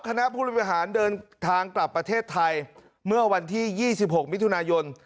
คณะภูเกษฐานเดินทางกลับประเทศไทยเมื่อวันที่ยี่สิบหกมิถุนายน